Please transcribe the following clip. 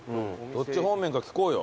どっち方面か聞こうよ。